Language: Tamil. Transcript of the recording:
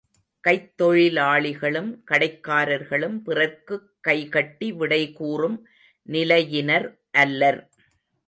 கைத்தொழிலாளிகளும் கடைக்காரர்களும் பிறர்க்குக் கைகட்டி விடைகூறும் நிலையினர் அல்லர்.